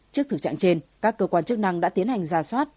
trước thực trạng trên các cơ quan chức năng đã tiến hành ra soát